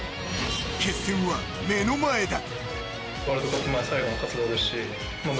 決戦は目の前だ。